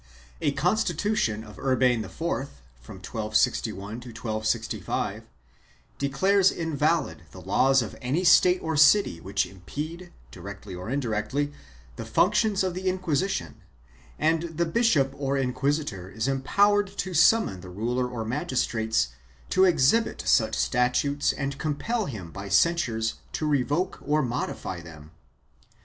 A constitution of Urban IV (1261 5) declares invalid the laws of any state or city which impede, directly or indirectly, the functions of the Inquisition, and the bishop or inquisitor is empowered to summon the ruler or magis trates to exhibit such statutes and compel him by censures to revoke or modify them.